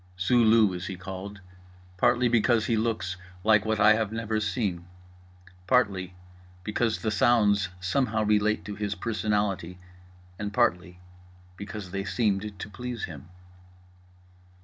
Zulu is he called, partly because he looks like what I have never seen, partly because the sounds somehow relate to his personality and partly because they seemed to please him.